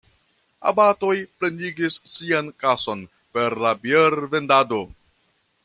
Abatoj plenigis sian kason per la biervendado.